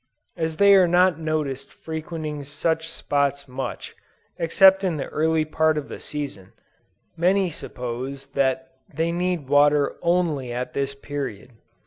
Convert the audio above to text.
As they are not noticed frequenting such spots much, except in the early part of the season, many suppose that they need water only at this period.